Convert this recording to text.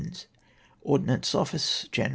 Ordnance Office, Jan.